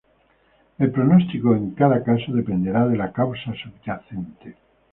El pronóstico en cada caso dependerá de la causa subyacente.